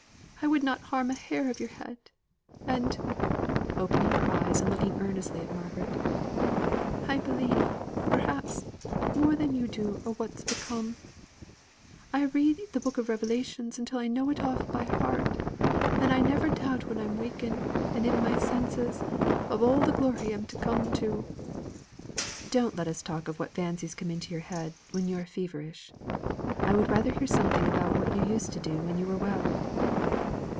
I would not harm a hair of your head. And," opening her eyes, and looking earnestly at Margaret, "I believe, perhaps, more than yo' do o' what's to come. I read the book o' Revelations until I know it off by heart, and I never doubt when I'm waking, and in my senses, of all the glory I'm to come to." "Don't let us talk of what fancies come into your head when you are feverish. I would rather hear something about what you used to do when you were well."